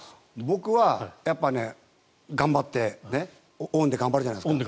僕はやっぱね頑張ってオンで頑張るじゃないですか。